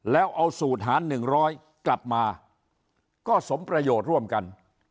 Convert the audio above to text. แล้วเอาสูตรหาร๑๐๐กลับมาก็สมประโยชน์ร่วมกัน